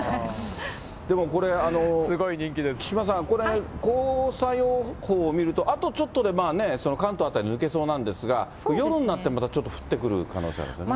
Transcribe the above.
でもこれ、木島さん、これ、黄砂予報見るとあとちょっとで、関東辺り抜けそうなんですが、夜になってもまたちょっと降ってくる可能性ありますよね。